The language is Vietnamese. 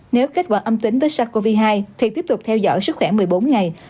nếu kết quả âm tính với sars cov hai thì tiếp tục theo dõi sức khỏe một mươi bốn ngày